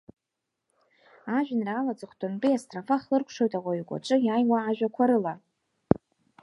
Ажәеинраала аҵыхәтәантәи астрофа хлыркәшоит ауаҩ игәаҿы иааиуа ажәақәа рыла…